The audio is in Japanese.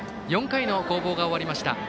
４回の攻防が終わりました。